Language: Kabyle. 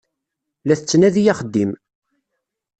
La tettnadi axeddim.